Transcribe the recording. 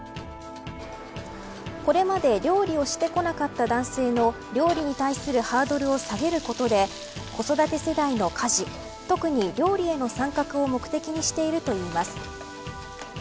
これまで料理をしてこなかった男性の料理に対するハードルを下げることで子育て世代の家事特に料理への参画を目的にしているといいます。